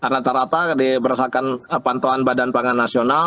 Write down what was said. rata rata berdasarkan pantauan badan pangan nasional